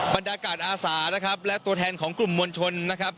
บรรดากาศอาสานะครับและตัวแทนของกลุ่มมวลชนนะครับ